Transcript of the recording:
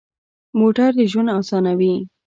موټر د ژوند اسانوي.